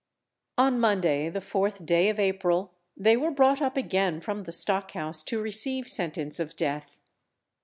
On Monday, the 4th day of April, they were brought up again from the stock house to receive sentence of death.